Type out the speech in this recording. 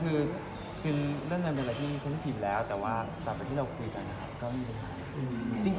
ใช่คือเรื่องนั้นเป็นอะไรที่ฉันรู้ถึงแล้วแต่ว่าต่อไปที่เราคุยกันนะครับก็มีเรื่องนั้น